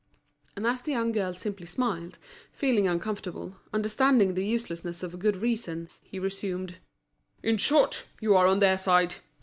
And as the young girl simply smiled, feeling uncomfortable, understanding the uselessness of good reasons, he resumed: "In short, you are on their side.